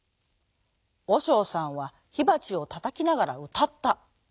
おしょうさんはひばちをたたきながらうたった。